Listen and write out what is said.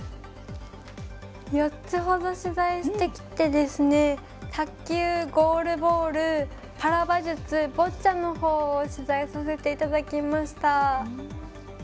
４つほど取材してきて卓球、ゴールボールパラ馬術、ボッチャのほうを取材させていただきました。